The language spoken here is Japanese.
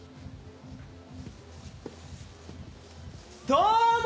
どうも！